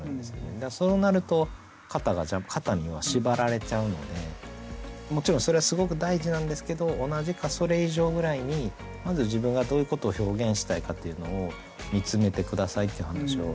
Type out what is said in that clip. だからそうなると型には縛られちゃうのでもちろんそれはすごく大事なんですけど同じかそれ以上ぐらいにまず自分がどういうことを表現したいかっていうのを見つめて下さいっていう話をしてますね。